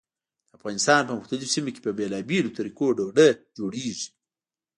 د افغانستان په مختلفو سیمو کې په بېلابېلو طریقو ډوډۍ جوړېږي.